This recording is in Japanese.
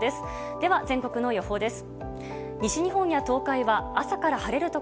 では、全国の予報です。